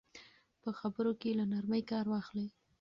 په خبرو کې له نرمۍ کار واخلئ.